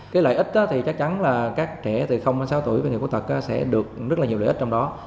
cái lợi ích thì chắc chắn là các trẻ từ đến sáu tuổi và người khuyết tật sẽ được rất là nhiều lợi ích trong đó